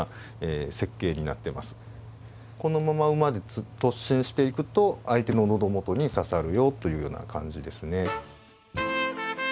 このまま馬で突進していくと相手の喉元に刺さるよというような感じですね。